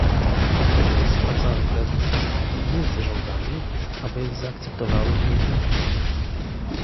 Potrzebna jest praca wewnątrz i między rządami, aby zaakceptowały to minimum